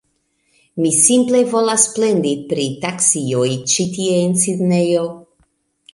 Mi simple volas plendi pri taksioj ĉi tie en Sidnejo.